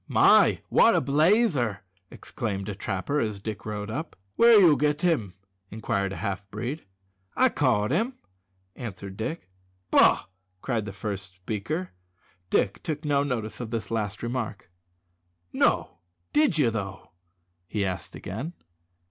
"My! wot a blazer!" exclaimed a trapper as Dick rode up. "Where you git him?" inquired a half breed. "I caught him," answered Dick. "Baw!" cried the first speaker. Dick took no notice of this last remark. "No, did ye though?" he asked again.